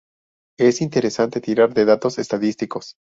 es interesante tirar de datos estadísticos